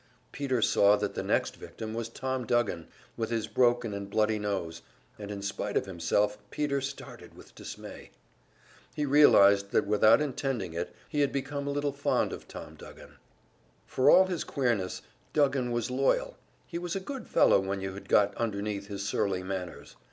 Peter saw that the next victim was Tom Duggan with his broken and bloody nose, and in spite of himself, Peter started with dismay. He realized that without intending it he had become a little fond of Tom Duggan. For all his queerness, Duggan was loyal, he was a good fellow when you had got underneath his surly manners.